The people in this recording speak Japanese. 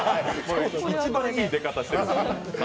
一番いい出方してる。